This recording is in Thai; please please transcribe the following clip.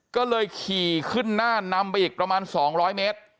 ก็เลยขี่ขึ้นหน้านำไปอีกประมาณ๒๐๐เมตร